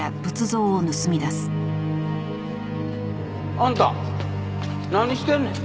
あんた何してんねん。